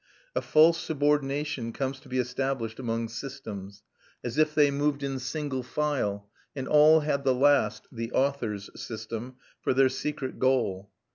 A false subordination comes to be established among systems, as if they moved in single file and all had the last, the author's system, for their secret goal.